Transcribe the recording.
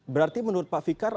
berarti menurut pak fikar